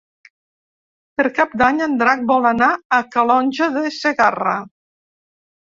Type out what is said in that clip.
Per Cap d'Any en Drac vol anar a Calonge de Segarra.